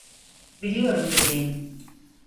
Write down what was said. Biliyorum bebeğim.